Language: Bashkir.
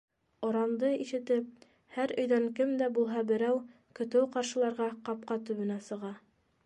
Оранды ишетеп, һәр өйҙән кем дә булһа берәү көтөү ҡаршыларға ҡапҡа төбөнә сыға.